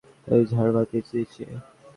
এই ঝাড়বাতির নীচে।